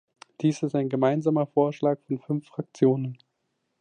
Dies ist ein gemeinsamer Vorschlag von fünf Fraktionen.